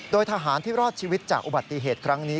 โดยทหารที่รอดชีวิตจากอุบัติเหตุครั้งนี้